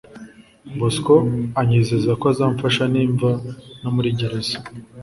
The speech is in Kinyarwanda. bosco anyizeza ko azamfasha nimva no muri gereza